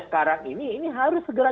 sekarang ini ini harus segera